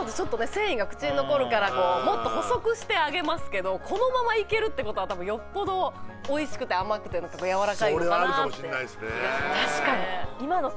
繊維が口に残るからもっと細くして揚げますけどこのままいけるってことは多分よっぽどそれはあるかもしれないですね